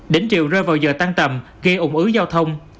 đỉnh chiều rơi vào giờ tan tầm gây ủng ứ giao thông